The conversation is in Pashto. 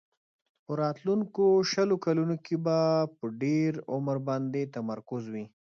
په راتلونکو شلو کلونو کې به په ډېر عمر باندې تمرکز وي.